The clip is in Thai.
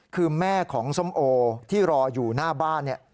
คือแม่ของส้มโอที่รออยู่หน้าบ้านเนี่ย